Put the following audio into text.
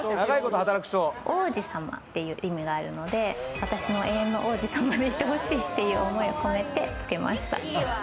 王子様っていう意味があるので、私の永遠の王子様でいてほしいという思いを込めてつけました。